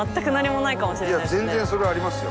いや全然それはありますよ。